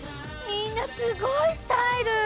みんなすごいスタイル！